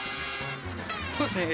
そうですね